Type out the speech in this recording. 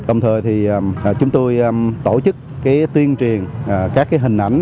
đồng thời thì chúng tôi tổ chức tuyên truyền các hình ảnh